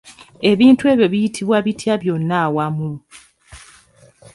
Ebintu ebyo biyitibwa bitya byonna awamu?